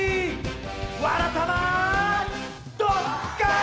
「わらたまドッカン」！